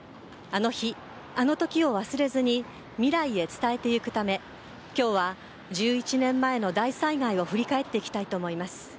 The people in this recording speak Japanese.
あの日、あの時を忘れずに未来へ伝えていくため今日は１１年前の大災害を振り返っていきたいと思います。